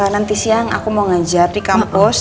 nanti siang aku mau ngajar di kampus